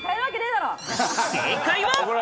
正解は。